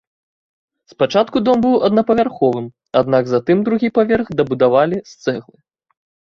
Спачатку дом быў аднапавярховым, аднак затым другі паверх дабудавалі з цэглы.